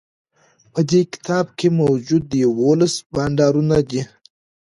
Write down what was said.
په دې کتاب کی موجود یوولس بانډارونه دي